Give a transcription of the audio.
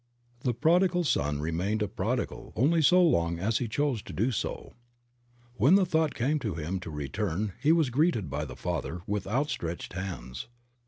The prodigal son remained a prodigal only so long as he chose to do so. When the thought came to him to return he was greeted by the Father with outstretched hands.